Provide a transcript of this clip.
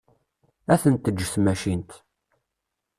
Ad ten-teǧǧ tmacint.